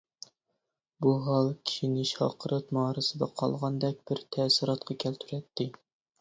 بۇ ھال كىشىنى شارقىراتما ئارىسىدا قالغاندەك بىر تەسىراتقا كەلتۈرەتتى.